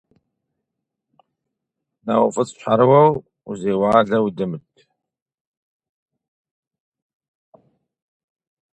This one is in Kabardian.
НэуфӀыцӀщхьэрыуэу узеуалэу удэмыт.